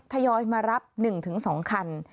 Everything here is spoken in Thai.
ทยอยมารับ๑๒คัน